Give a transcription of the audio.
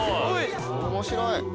面白い！